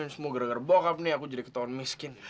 semuanya gara gara bokap nih aku jadi ketauan miskin